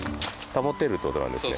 保てるって事なんですね